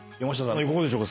いかがでしょうか？